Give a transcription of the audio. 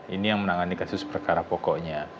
ini yang menangani kasus perkara pokoknya